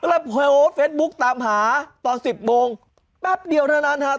แล้วเฟซบุ๊กตามหาตอน๑๐โมงแป๊บเดียวทั้งนะ